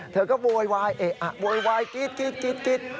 เธอก็โบรรยายโบรรยายกิด